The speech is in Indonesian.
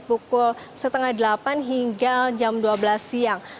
pukul setengah delapan hingga jam dua belas siang